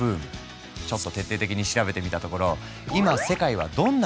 ちょっと徹底的に調べてみたところ